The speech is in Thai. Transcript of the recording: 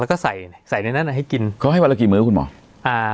แล้วก็ใส่ใส่ในนั้นให้กินเขาให้วันละกี่มื้อคุณหมออ่า